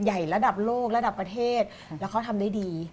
ใหญ่ระดับโลกระดับประเทศแล้วเขาทำได้ดี